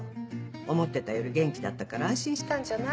思ってたより元気だったから安心したんじゃない？